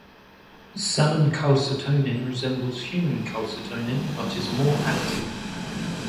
Salmon calcitonin resembles human calcitonin, but is more active.